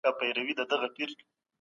د داستان زمانه په تحقیق کې ډېره مهمه ده.